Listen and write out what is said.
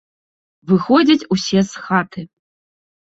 Выходзяць усе з хаты.